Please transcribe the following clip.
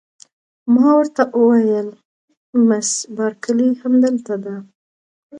ما ورته وویل: مس بارکلي همدلته ده؟